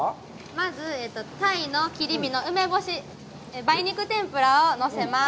まず、鯛の切り身の梅干し、梅肉天ぷらをのせます。